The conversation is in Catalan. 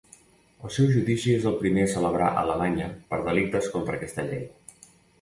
El seu judici és el primer a celebrar a Alemanya per delictes contra aquesta llei.